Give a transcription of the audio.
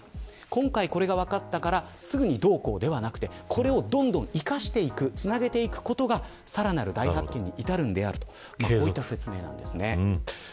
今回これが分かったからすぐにどうこうではなくてこれをどんどん生かしてつなげていくことがさらなる大発見に至るのであるという説明なんですね。